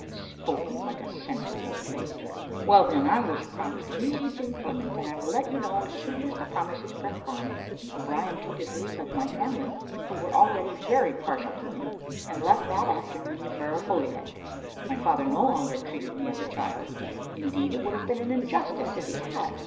"Spoken like a sensible Peter. Well, then, I was promised immediate employment, and I will let you know as soon as the promise is performed." O'Brien took his leave of my family, who were already very partial to him, and left that afternoon for Holyhead. My father no longer treated me as a child; indeed it would have been an injustice if he had.